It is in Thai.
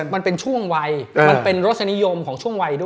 มันเป็นช่วงวัยมันเป็นรสนิยมของช่วงวัยด้วย